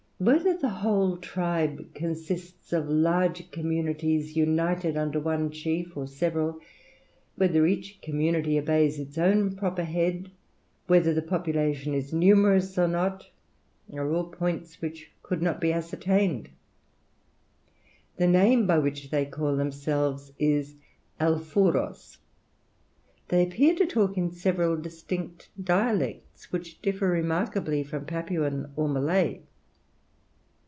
Whether the whole tribe consists of large communities united under one chief or several, whether each community obeys only its own proper head, whether the population is numerous or not, are all points which could not be ascertained. The name by which they call themselves is Alfourous. They appeared to talk in several distinct dialects, which differ remarkably from Papuan or Malay.